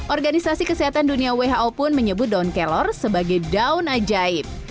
organisasi kesehatan dunia who pun menyebut daun kelor sebagai daun ajaib